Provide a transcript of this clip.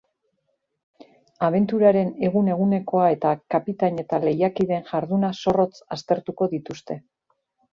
Abenturaren egun-egunekoa eta kapitain eta lehiakideen jarduna zorrotz aztertuko dituzte.